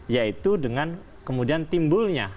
yaitu dengan kemudian timbulnya